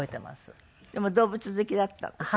でも動物好きだったんでしょ？